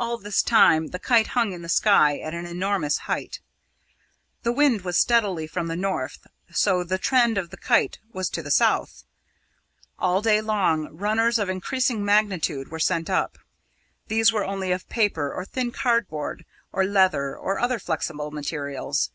All this time the kite hung in the sky at an enormous height. The wind was steadily from the north, so the trend of the kite was to the south. All day long, runners of increasing magnitude were sent up. These were only of paper or thin cardboard, or leather, or other flexible materials.